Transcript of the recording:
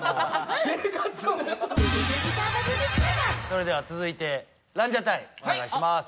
それでは続いてランジャタイお願いします。